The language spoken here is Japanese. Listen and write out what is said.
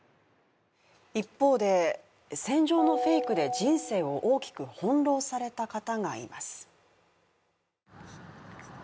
一方で戦場のフェイクで人生を大きく翻弄された方がいます